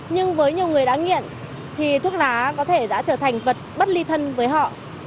nhưng với nhiều người đã nghiện thì thuốc lá có thể đã trở thành vật bất ly thân với họ